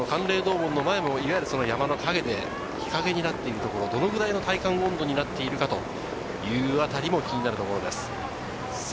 嶺洞門の前も山の影で日陰になっているところはどのくらいの体感温度になっているか気になるところです。